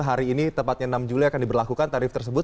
hari ini tepatnya enam juli akan diberlakukan tarif tersebut